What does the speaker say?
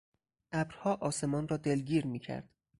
ابرها آسمان را دلگیر میکرد.